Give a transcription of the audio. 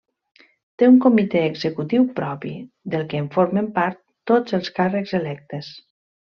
Té un Comité Executiu propi, del que en formen part tots els càrrecs electes.